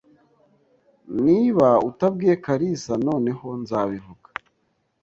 Niba utabwiye kalisa, noneho nzabivuga.